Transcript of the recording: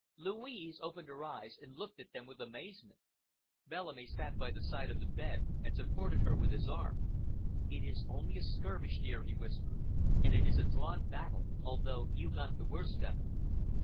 Louise opened her eyes and looked at them with amazement. Bellamy sat by the side of the bed and supported her with his arm. "It is only a skirmish, dear," he whispered, "and it is a drawn battle, although you got the worst of it."